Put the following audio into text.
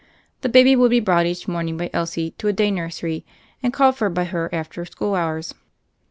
The baby would be brought each morning by Elsie to a day nursery, and called for by her after school hours.